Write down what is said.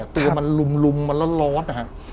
ตัวมันลุมมันร้อน